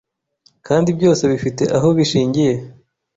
kandi byose bifite aho bishingiye.